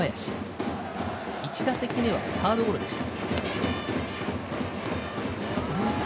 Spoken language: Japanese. １打席目はサードゴロでした。